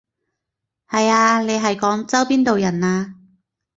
係啊，你係廣州邊度人啊？